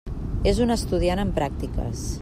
És un estudiant en pràctiques.